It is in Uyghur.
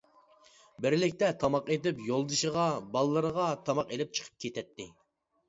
بىرلىكتە تاماق ئېتىپ، يولدىشىغا، بالىلىرىغا تاماق ئېلىپ چىقىپ كېتەتتى.